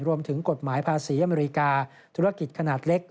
รวมถึงกฎหมายภาษีอเมริกาธุรกิจขนาดเล็ก